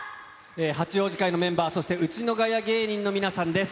八王子会のメンバー、そして、うちのガヤ芸人の皆さんです。